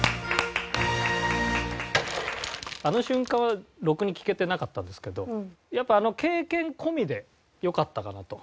あの瞬間はろくに聴けてなかったんですけどやっぱあの経験込みで良かったかなと。